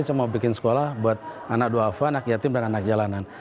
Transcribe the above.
saya mau bikin sekolah buat anak dua afa anak yatim dan anak jalanan